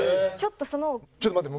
ちょっと待って。